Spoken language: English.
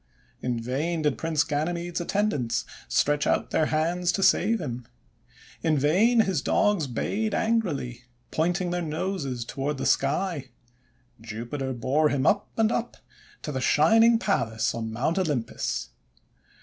In vain did Prince Ganymede's attendants stretch out their hands to save him. In vain his Dogs bayed angrily, pointing their noses toward the sky. Jupiter bore him up and up to the Shining Palace on Mount Olympus.